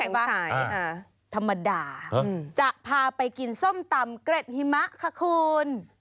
ไปหาอะไรกินแบบเย็น